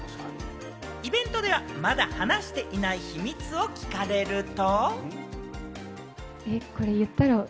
イベントでは、まだ話していない秘密を聞かれると。